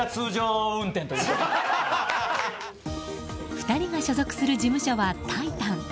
２人が所属する事務所はタイタン。